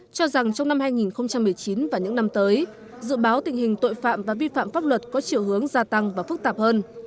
cho rằng trong năm hai nghìn một mươi chín và những năm tới dự báo tình hình tội phạm và vi phạm pháp luật có chiều hướng gia tăng và phức tạp hơn